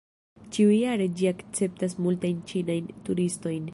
Ĉiujare ĝi akceptas multajn ĉinajn turistojn.